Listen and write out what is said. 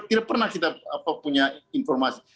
tidak pernah kita punya informasi